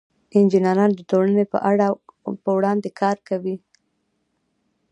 انجینران د ټولنې په وړاندې کار کوي.